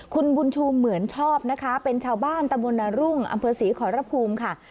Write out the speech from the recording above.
คุณบุญชูเหมือนชอบนะคะเป็นชาวบ้านตะบนนรุ่งอำเภอศรีขอรภูมิค่ะ